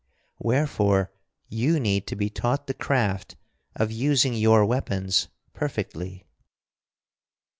Wherefore you need to be taught the craft of using your weapons perfectly."